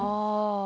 ああ。